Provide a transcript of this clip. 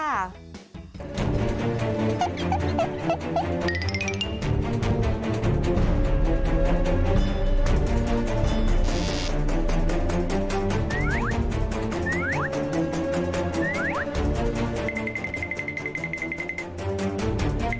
โทษนะ